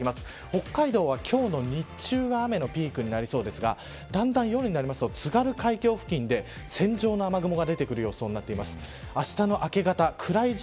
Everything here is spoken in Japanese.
北海道は今日の日中が雨のピークになりそうですがだんだん夜になると津軽海峡付近で線状の雨雲が出てくるようになっています。